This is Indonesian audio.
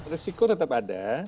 risiko tetap ada